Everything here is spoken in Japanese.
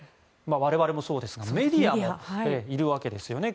我々もそうですがメディアもいるわけですよね。